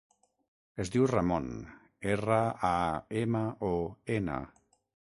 Es diu Ramon: erra, a, ema, o, ena.